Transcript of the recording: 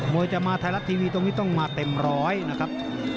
จะมาไทยรัฐทีวีตรงนี้ต้องมาเต็มร้อยนะครับ